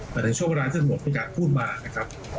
หมายถึงช่วงเวลาที่ตะโมดมีการพูดมานะครับ